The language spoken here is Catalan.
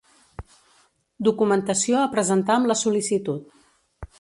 Documentació a presentar amb la sol·licitud.